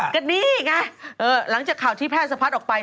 ก็นี่ไงหลังจากข่าวที่แพร่สะพัดออกไป